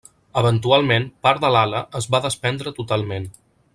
Eventualment, part de l'ala es va desprendre totalment.